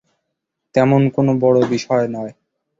তেমন কোনো বড়ো বিষয় নয়।